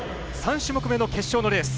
３種目めの決勝のレース。